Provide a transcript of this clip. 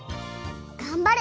がんばる。